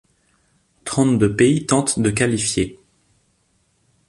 Trente-deux pays tentent de qualifier.